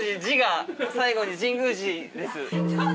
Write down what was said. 最後に神宮寺です。